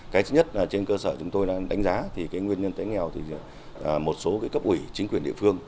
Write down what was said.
cái nhất trên cơ sở chúng tôi đánh giá là nguyên nhân tính nghèo là một số cấp ủy chính quyền địa phương